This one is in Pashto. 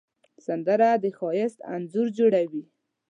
سندره د ښایست انځور جوړوي